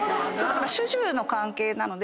主従の関係なので。